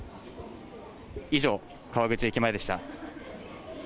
以上、川口駅前でした。